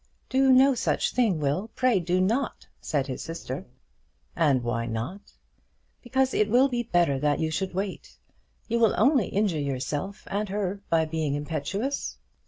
"Do no such thing, Will; pray do not," said his sister. "And why not?" "Because it will be better that you should wait. You will only injure yourself and her by being impetuous."